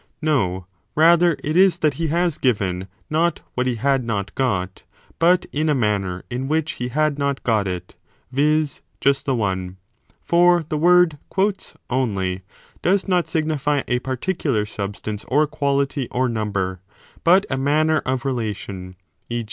No : rather it is that he has given, not what he had not got, but in a manner in which he had not got it, viz. just the one. For the word only does not signify a particular substance or quality or number, i78 b but a manner of relation, e.